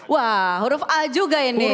wah huruf a juga ini